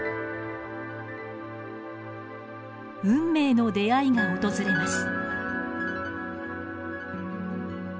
運命の出会いが訪れます。